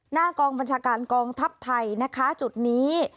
หน้ากองบัญชาการกองทัพไทยนะคะจุดนี้